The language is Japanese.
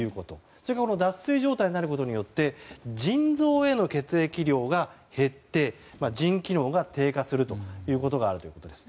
それから脱水状態になることによって腎臓への血液量が減って腎機能が低下するということがあるということです。